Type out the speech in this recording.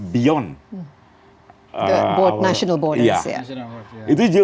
di luar nasional ya